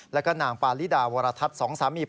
และก็นางปารีดาวราธัศน์